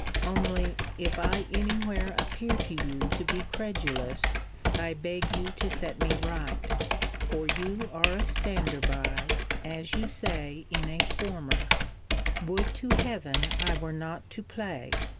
Only, if I any where appear to you to be credulous, I beg you to set me right: for you are a stander by, as you say in a former* Would to Heaven I were not to play!